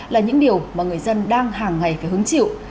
là những điều mà người dân đang hàng ngày phải hứng chịu